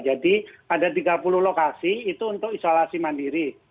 jadi ada tiga puluh lokasi itu untuk isolasi mandiri